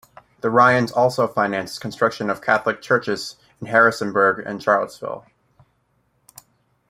The Ryans also financed construction of Catholic churches in Harrisonburg and Charlottesville.